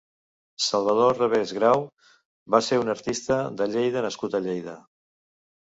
Salvador Revés Grau va ser un artista de Lleida nascut a Lleida.